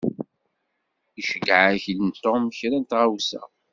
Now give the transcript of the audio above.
Iceyyeɛ-ak-n Tom kra n tɣawsa.